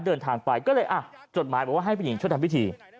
เดินทางไปก็เลยอ่ะจดหมายบอกว่าให้ผู้หญิงช่วยทำพิธี